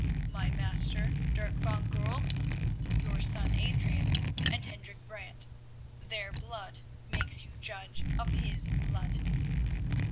"My master, Dirk van Goorl, your son, Adrian, and Hendrik Brant. Their blood makes you judge of his blood."